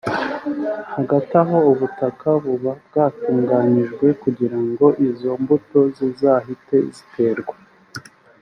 Hagati aho ubutaka buba bwatunganyijwe kugira ngo izo mbuto zizahite ziterwa